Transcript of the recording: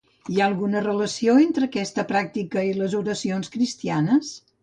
Hi ha alguna relació entre aquesta pràctica i les oracions cristianes?